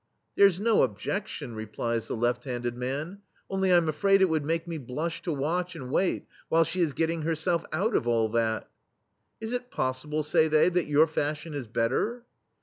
"There *s no obje6tion/* replies the left handed man, "only I'm afraid it would make me blush to watch and wait while she is getting herself out of all that." "Is it possible," say they, "that your fashion is better?"